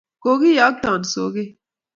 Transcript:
kokiyokton soket